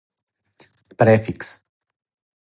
префикс